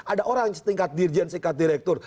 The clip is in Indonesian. ada orang setingkat dirjen setingkat direktur